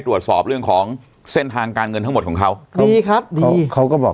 ตรวจสอบเรื่องของเส้นทางการเงินทั้งหมดของเขาครับดีครับดีเขาก็บอก